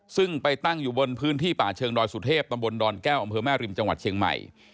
ซึ่งไปตั้งอยู่บนพื้นที่ป่าเชิงดอยสุเทพตำบลดอนแก้วอำเภอแม่ริมจังหวัดเชียงใหม่